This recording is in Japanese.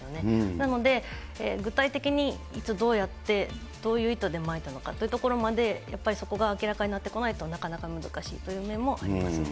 なので、具体的にいつ、どうやって、どういう意図でまいたのかというところまでそこが明らかになってこないと、なかなか難しいという面もありますね。